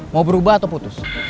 mau berubah atau putus